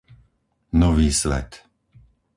Nový Svet